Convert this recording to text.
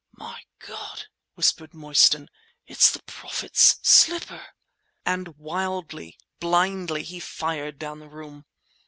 "My God!" whispered Mostyn; "it's the Prophet's slipper!" And wildly, blindly, he fired down the room.